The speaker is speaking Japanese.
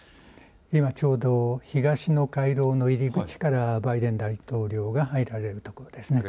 今ちょうど東の回廊の入り口からバイデン大統領が入られるところですね。